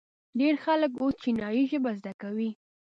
ډیر خلک اوس چینایي ژبه زده کوي.